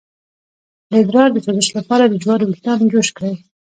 د ادرار د سوزش لپاره د جوارو ویښتان جوش کړئ